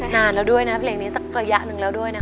นานแล้วด้วยนะเพลงนี้สักระยะหนึ่งแล้วด้วยนะคะ